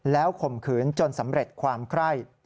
แล้วข่มขืนจนสำเร็จความไคร่